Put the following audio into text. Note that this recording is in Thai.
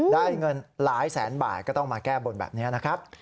ได้เงินหลายแสนบาทก็ต้องมาแก้บนแบบนี้นะครับ